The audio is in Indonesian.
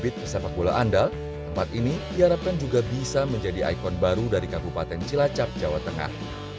tempat ini diharapkan juga bisa menjadi ikon baru dari kabupaten cilacap jawa tengah